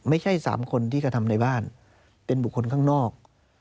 ไม่ใช่๓คนที่กระทำในบ้านเป็นบุคคลข้างนอก